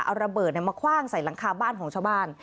เอาระเบิดมาคว่างใส่หลังคาบ้านของชาวบ้าน